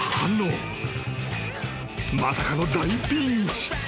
［まさかの大ピンチ］